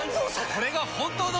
これが本当の。